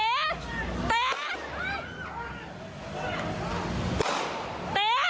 เฮ้ยเฮ้ยเฮ้ย